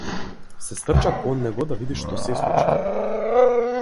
Се стрча кон него да види што се случи.